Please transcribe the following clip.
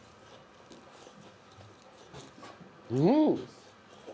うん！